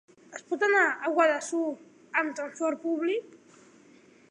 Es pot anar a Guadassuar amb transport públic?